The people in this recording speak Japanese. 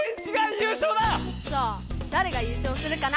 さあだれが優勝するかな？